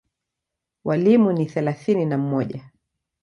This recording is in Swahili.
Walimu ni thelathini na mmoja.